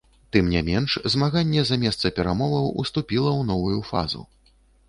Тым не менш, змаганне за месца перамоваў уступіла ў новую фазу.